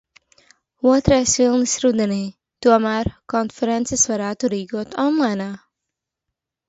‘Otrais vilnis rudenī’, tomēr... Konferences varētu rīkot onlainā.